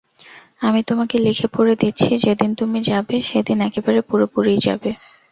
আমি তোমাকে লিখে পড়ে দিচ্ছি, যেদিন তুমি যাবে সেদিন একেবারে পুরোপুরিই যাবে।